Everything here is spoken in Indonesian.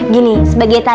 gini sebagai tanahku